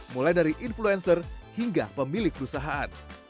mulai dari influencer hingga pemilik perusahaan